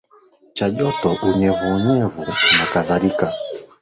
cha joto unyevunyevu na kadhalika